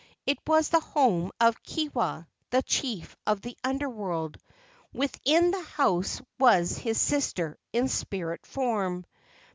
It was the home of Kewa, the chief of the Under world. Within the house was his sister in spirit form.